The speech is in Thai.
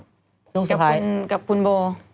คุณสไพรกับคุณโบ